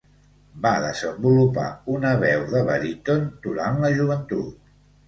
Va desenvolupar una veu de baríton durant la joventut.